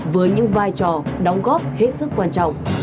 với những vai trò đóng góp hết sức quan trọng